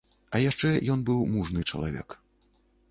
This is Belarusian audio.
А яшчэ ён быў мужны чалавек.